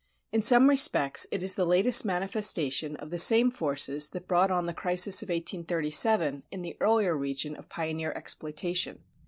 In some respects it is the latest manifestation of the same forces that brought on the crisis of 1837 in the earlier region of pioneer exploitation.